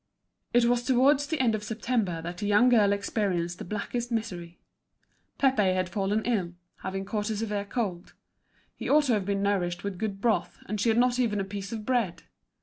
It was towards the end of September that the young girl experienced the blackest misery. Pépé had fallen ill, having caught a severe cold. He ought to have been nourished with good broth, and she had not even a piece of bread.